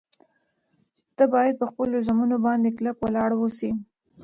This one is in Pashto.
ته باید په خپلو ژمنو باندې کلک ولاړ واوسې.